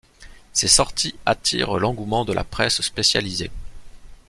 Ces sorties attirent l'engouement de la presse spécialisée.